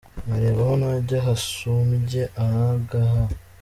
Nkareba aho najya Hasumbye ahangaha.